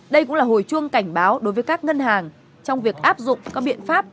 đây cũng là hồi chuông cảnh báo đối với các ngân hàng trong việc áp dụng các biện pháp